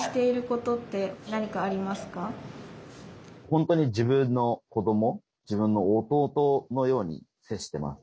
本当に自分の子ども自分の弟のように接してます。